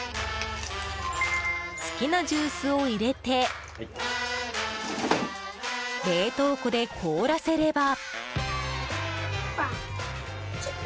好きなジュースを入れて冷凍庫で凍らせれば。